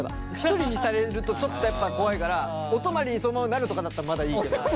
１人にされるとちょっと怖いからお泊まりにそのままなるとかだったらまだいいかな。